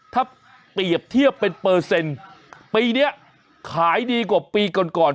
ถ้าเปรียบเทียบเป็นเปอร์เซ็นต์ปีนี้ขายดีกว่าปีก่อนก่อน